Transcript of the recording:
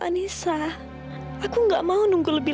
dan aku ingin mulai menebusnya